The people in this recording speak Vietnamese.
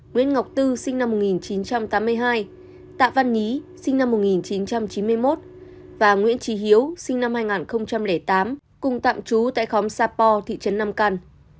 nguyễn ngọc tư sinh năm một nghìn chín trăm tám mươi hai tạ văn nhí sinh năm một nghìn chín trăm chín mươi một và nguyễn trí hiếu sinh năm hai nghìn tám cùng tạm trú tại khóm sapo thị trấn nam căn